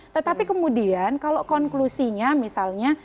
tetapi kemudian kalau konklusinya